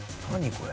これ。